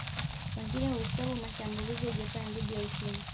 Wengine huhesabu mashambulizi ya Japani dhidi ya Uchina